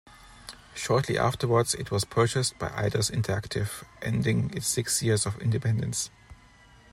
Shortly afterwards, it was purchased by Eidos Interactive, ending its six years of independence.